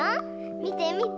みてみて！